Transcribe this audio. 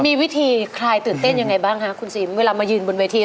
มีวิธีใครตื่นเต้นอย่างไรบ้างครับคุณซีมเวลามายืนบนเวที